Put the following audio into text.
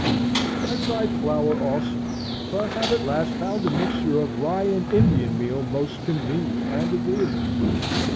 I tried flour also; but have at last found a mixture of rye and Indian meal most convenient and agreeable.